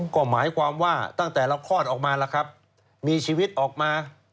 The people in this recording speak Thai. ก็หมายความว่าตั้งแต่เราคลอดออกมาแล้วครับมีชีวิตออกมา